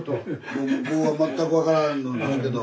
碁は全く分からんのんですけど。